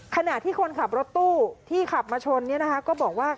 ขณะที่คนขับรถตู้ที่ขับมาชนก็บอกว่า